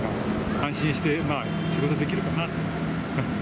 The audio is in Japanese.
安心して仕事できるかな。